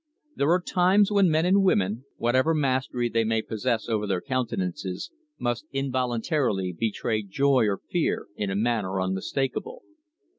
There are times when men and women, whatever mastery they may possess over their countenances, must involuntarily betray joy or fear in a manner unmistakable.